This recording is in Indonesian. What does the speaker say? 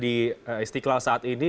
kita sudah ada di istiqlal saat ini